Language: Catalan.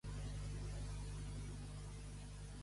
—Eh? —Entra i seràs ase.